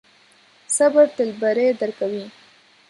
صبر تل بری درکوي.